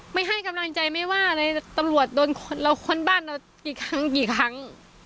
ไม่ให้กำลังใจไม่ว่าตำรวจโดนเราคนบ้านเรากี่ครั้ง